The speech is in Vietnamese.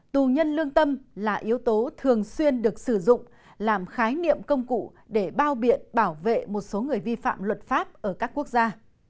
tù nhân lương tâm là yếu tố thường xuyên được sử dụng làm khái niệm công cụ để bao biện bảo vệ một số người vi phạm luật pháp ở các quốc gia